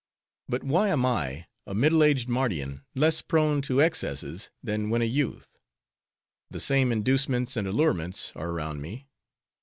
But why am I, a middle aged Mardian, less prone to excesses than when a youth? The same inducements and allurements are around me.